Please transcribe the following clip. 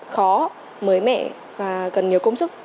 khó mới mẻ và cần nhiều công sức